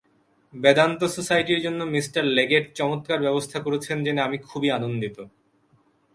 বেদান্ত সোসাইটির জন্য Mr Leggett চমৎকার ব্যবস্থা করেছেন জেনে আমি খুবই আনন্দিত।